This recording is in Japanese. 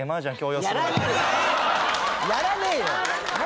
やらねえよ！